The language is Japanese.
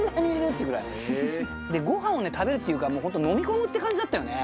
ってぐらいでご飯を食べるっていうか飲み込むって感じだったよね